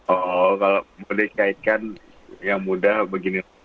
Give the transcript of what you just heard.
oh kalau mau dikaitkan yang muda begini